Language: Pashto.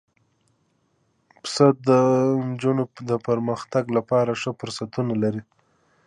پسه د نجونو د پرمختګ لپاره ښه فرصتونه لري.